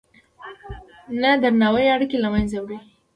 نه درناوی اړیکې له منځه وړي.